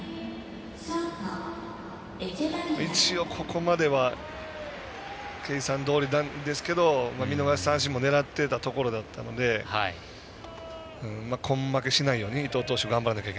一応ここまでは計算どおりなんですけれど見逃し三振も狙っていたところだったので根負けしないように伊藤投手